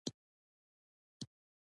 دښته د داستانونو الهام ده.